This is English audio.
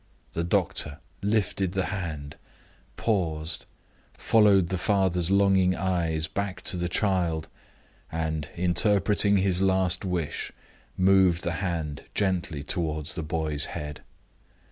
The doctor lifted the hand, paused, followed the father's longing eyes back to the child, and, interpreting his last wish, moved the hand gently toward the boy's head.